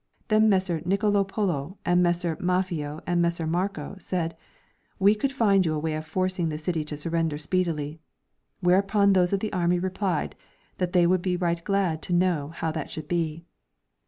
Then Messer Nicolo Polo and Messer MafFeo and Messer Marco said :" We could find you a way of forcing the city to surrender speedily ;" whereupon those of the army replied, that they would be right glad to know how that should be.